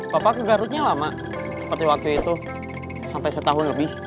bapak ke garutnya lama seperti waktu itu sampai setahun lebih